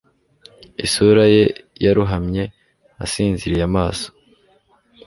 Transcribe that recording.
isura ye yarohamye asinziriye amaso